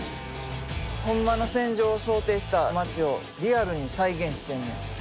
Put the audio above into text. ホンマの戦場を想定した町をリアルに再現してんねん。